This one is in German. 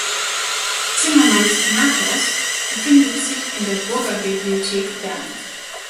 Zimmermanns „Nachlass“ befindet sich in der Burgerbibliothek Bern.